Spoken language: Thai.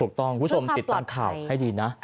ถูกต้องคุณผู้ชมติดตามข่าวให้ดีนะ